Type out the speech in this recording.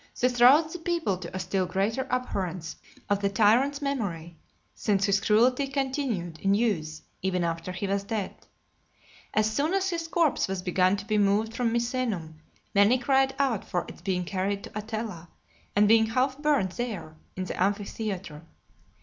This roused the people to a still greater abhorrence of the tyrant's memory, since his cruelty continued in use even after he was dead. As soon as his corpse was begun to be moved from Misenum, many cried out for its being carried to Atella , and being half burnt there (239) in the amphitheatre.